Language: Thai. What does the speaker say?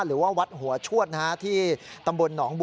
หรือว่าวัดหัวชวดที่ตำบลหนองบัว